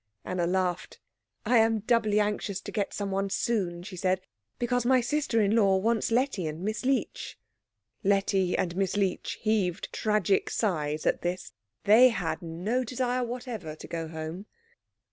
Anna laughed. "I am doubly anxious to get someone soon," she said, "because my sister in law wants Letty and Miss Leech." Letty and Miss Leech heaved tragic sighs at this; they had no desire whatever to go home.